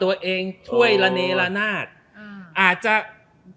อาจจะผิดพลาดหรืออาจจะมี